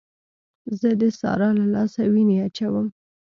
زه د سارا له لاسه وينې اچوم.